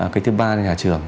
cái thứ ba là nhà trường